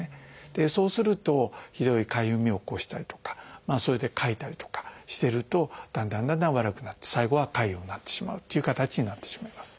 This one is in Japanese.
そうするとひどいかゆみを起こしたりとかそれでかいたりとかしてるとだんだんだんだん悪くなって最後は潰瘍になってしまうっていう形になってしまいます。